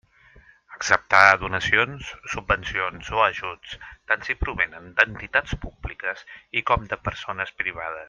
Acceptar donacions, subvencions o ajuts, tant si provenen d'entitats públiques i com de persones privades.